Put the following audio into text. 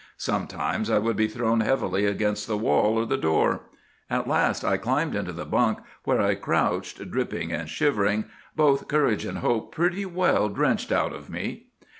Sometimes I would be thrown heavily against the wall or the door. At last I climbed into the bunk, where I crouched, dripping and shivering, both courage and hope pretty well drenched out of me.